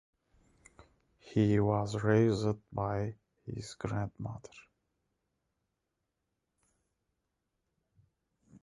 He was raised by his grandmother.